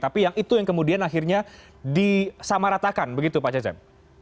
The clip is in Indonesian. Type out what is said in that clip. tapi yang itu yang kemudian akhirnya disamaratakan begitu pak cecep